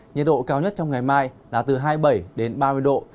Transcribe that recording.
nhiệt độ cao nhất trong ngày mai là từ hai mươi bảy đến ba mươi độ